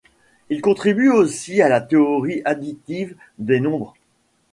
Il contribue aussi à la théorie additive des nombres.